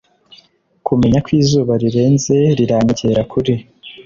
kumenya ko izuba rirenze riranyegera kuri